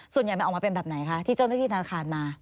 ส่วนใหญ่มันออกมาเป็นแบบไหนคะที่เจ้าหน้าที่ธนาคารมา